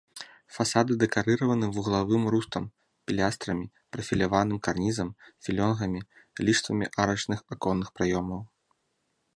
Фасады дэкарыраваны вуглавым рустам, пілястрамі, прафіляваным карнізам, філёнгамі, ліштвамі арачных аконных праёмаў.